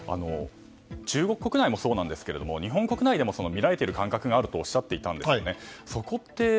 中国国内もそうなんですけど日本国内でも見られいてる感覚があるとおっしゃっていたんですね。